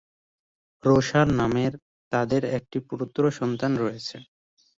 রোশন নামে তাঁদের একটি পুত্রসন্তান রয়েছে।